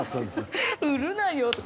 売るなよ？